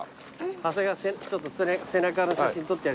長谷川ちょっと背中の写真撮ってやる。